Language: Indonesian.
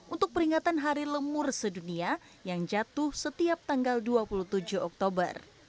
untuk peringatan hari lemur sedunia yang jatuh setiap tanggal dua puluh tujuh oktober